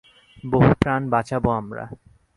বহু প্রাণ বাঁচাবো আমরা।